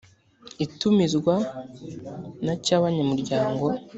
itumizwa na cy abanyamuryango